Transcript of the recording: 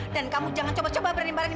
dan kamu jangan coba coba berimbaran di masjid